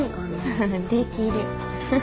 フフフできる。